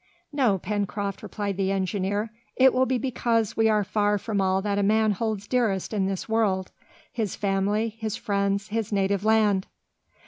"No, Pencroft," replied the engineer, "it will be because we are far from all that a man holds dearest in this world, his family, his friends, his native land!"